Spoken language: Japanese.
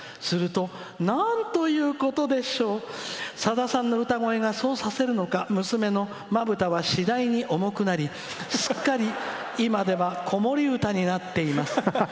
すると、なんということでしょうさださんの歌声がそうさせるのか娘のまぶたはすっかり重くなりすっかり今では子守歌になっています。